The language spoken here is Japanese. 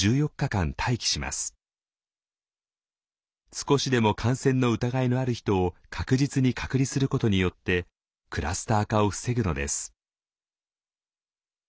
少しでも感染の疑いのある人を確実に隔離することによってクラスター化を防ぐのです。